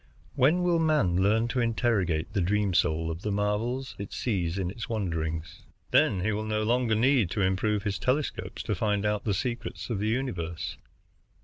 When will man learn to interrogate the dream soul of the marvels it sees in its wanderings? Then he will no longer need to improve his telescopes to find out the secrets of the universe.